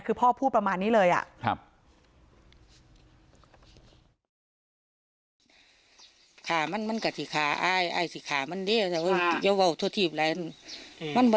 คือพ่อพูดประมาณนี้เลยอะ